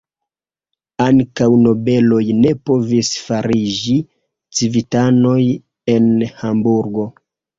Ankaŭ nobeloj ne povis fariĝi civitanoj en Hamburgo.